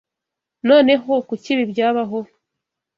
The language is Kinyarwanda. Noneho, kuki ibi byabaho?